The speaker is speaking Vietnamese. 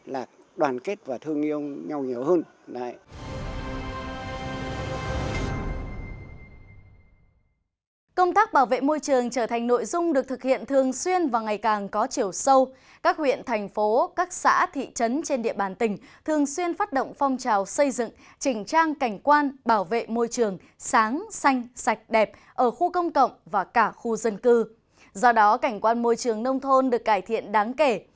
là đoàn kết và thương yêu nhau nhiều hơn